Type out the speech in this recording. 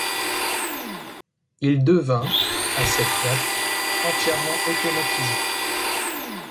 Il devint, à cette date, entièrement automatisé.